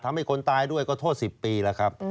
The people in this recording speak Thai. ทำให้คนตายด้วยก็โทษ๑๐ปีแล้วครับ